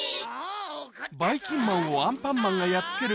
ばいきんまんをアンパンマンがやっつける